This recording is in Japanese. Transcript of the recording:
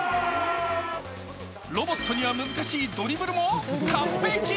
ロボットには難しいドリブルも完璧。